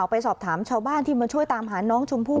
ไปสอบถามชาวบ้านที่มาช่วยตามหาน้องชมพู่